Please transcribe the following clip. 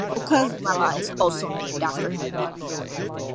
Oka's lemma is also named after him.